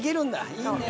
いいね。